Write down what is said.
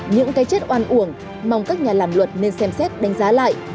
những cái chết oan uổng mong các nhà làm luật nên xem xét đánh giá lại